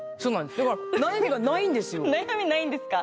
だから悩み無いんですか。